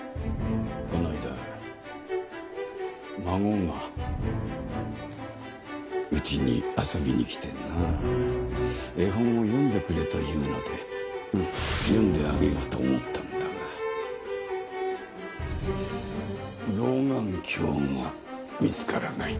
この間孫が家に遊びに来てな絵本を読んでくれと言うので読んであげようと思ったんだが老眼鏡が見つからない。